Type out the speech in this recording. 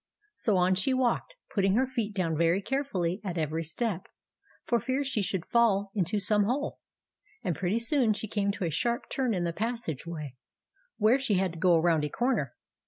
So on she walked, putting her feet down very carefully at every step, for fear she should fall into some hole ; and pretty soon she came to a sharp turn in the passage way, where she had to go around a corner.